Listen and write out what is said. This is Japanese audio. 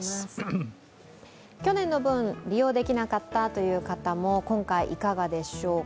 去年の分、利用できなかったという方も今回、いかがでしょうか。